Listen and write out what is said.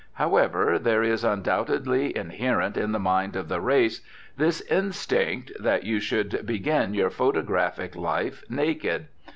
However, there is undoubtedly inherent in the mind of the race this instinct, that you should begin your photographic life naked.